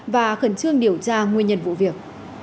và khẩn trương điều tra nguyên nhân vụ việc